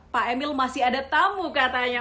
pak emil masih ada tamu katanya